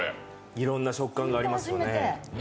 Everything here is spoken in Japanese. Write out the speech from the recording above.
いろんな食感がありますよね。